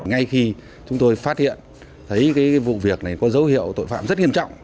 ngay khi chúng tôi phát hiện thấy vụ việc này có dấu hiệu tội phạm rất nghiêm trọng